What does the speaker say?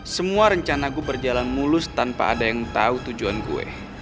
semua rencana gue berjalan mulus tanpa ada yang tau tujuan gue